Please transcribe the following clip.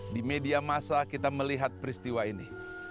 di media masa kita melihat peristiwa ini